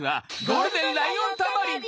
ゴールデンライオンタマリン。